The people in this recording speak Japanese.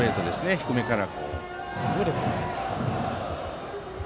低めから。